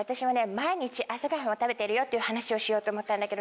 毎日朝ごはんを食べてるって話をしようと思ったんだけどね